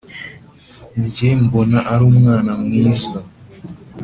njye mbona arumwana mwiza